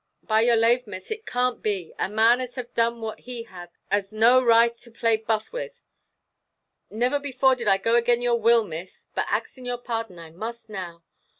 "By your lave, Miss, it can't be. A man as have done what he have, us has no right to play buff with. Never before did I go again your will, Miss; but axing your pardon, I must now.